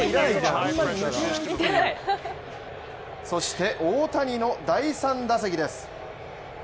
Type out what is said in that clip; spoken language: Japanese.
そして大谷の第３打席です。